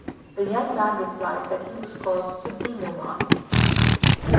The young man replied that he was called Sidi Nouman.